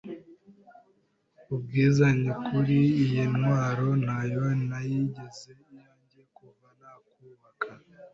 UBWIZANYA UKURI: Iyi ntwaro nayo nayigize iyanjye kuva nakubaka.